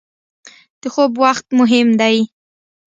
• د خوب وخت مهم دی.